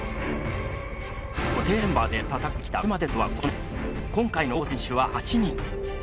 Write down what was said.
固定メンバーで戦ってきたこれまでとは異なり今回の候補選手は８人。